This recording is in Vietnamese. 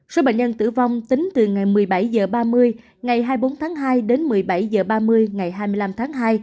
số bệnh nhân tử vong tính từ ngày một mươi bảy h ba mươi ngày hai mươi bốn tháng hai đến một mươi bảy h ba mươi ngày hai mươi năm tháng hai